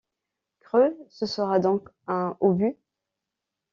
Creux! ce sera donc un obus?